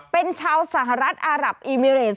เป็นชาวสหรัฐอารับอิเมริน